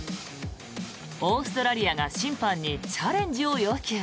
オーストラリアが審判にチャレンジを要求。